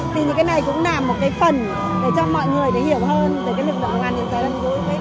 thì những cái này cũng làm một cái phần để cho mọi người hiểu hơn về lực lượng công an nhân dân